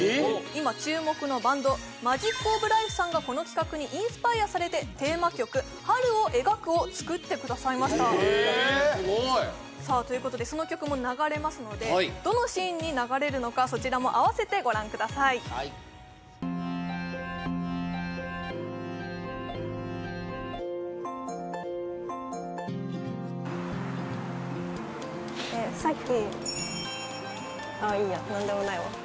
今注目のバンドＭＡＧＩＣＯＦＬｉＦＥさんがこの企画にインスパイアされてテーマ曲「春を描く」を作ってくださいました・すごい！さあということでその曲も流れますのでどのシーンに流れるのかそちらも併せてご覧くださいうん？